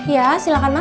ya silahkan masuk